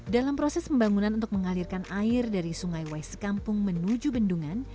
dalam proses pembangunan untuk mengalirkan air dari sungai waiskampung menuju bendungan